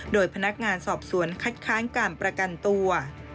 โดยพนักงานสอบสวนคัดค้านการประกันตัว